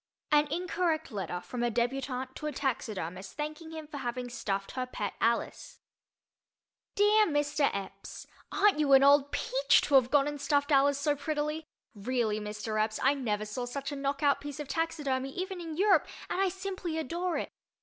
An Incorrect Letter from a Débutante to a Taxidermist Thanking Him for Having Stuffed Her Pet Alice DEAR MR. Epps: Aren't you an old peach to have gone and stuffed Alice so prettily! Really, Mr. Epps, I never saw such a knockout piece of taxidermy, even in Europe, and I simply adore it.